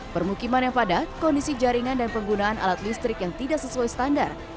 permukiman yang padat kondisi jaringan dan penggunaan alat listrik yang tidak sesuai standar